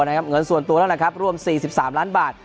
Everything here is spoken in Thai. เงินส่วนตัวแล้วนะครับรวม๔๓ล้านบาท